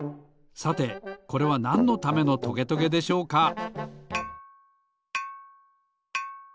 さてこれはなんのためのトゲトゲでしょうか？